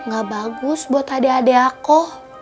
gak bagus buat adik adik aku